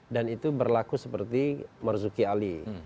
dan itu berlaku seperti marzuki ali